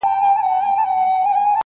صدقه دي سم تر تكــو تــورو سترگو.